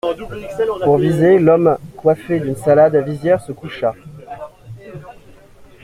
Pour viser, l'homme coiffé d'une salade à visière se coucha.